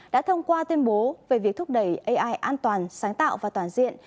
đã thông qua tuyên bố về việc thúc đẩy ai an toàn sáng tạo và toàn diện